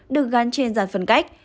được gắn trên giải phân cách